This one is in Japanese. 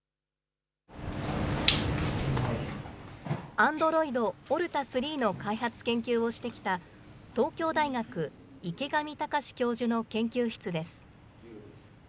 アンドロイド、オルタ３の開発・研究をしてきた東京大学、池上高志教授の研究室です。